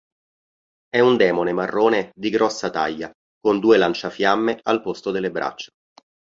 È un demone marrone di grossa taglia con due lanciafiamme al posto delle braccia.